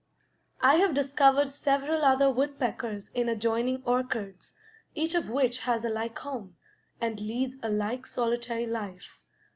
I have discovered several other woodpeckers in adjoining orchards, each of which has a like home, and leads a like solitary life.